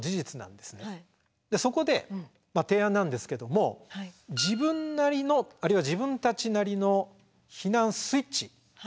そこで提案なんですけども自分なりのあるいは自分たちなりの避難スイッチ